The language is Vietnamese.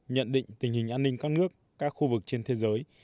nhận định tình hình an ninh các nước các khu vực trên thế giới